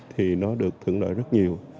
thì nó được thượng lợi rất nhiều